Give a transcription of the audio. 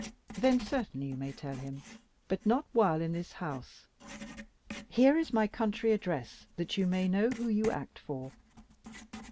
"Then, certainly you may tell him; but not while in this house. Here is my country address, that you may know who you act for.